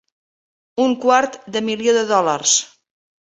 Un quart de milió de dòlars.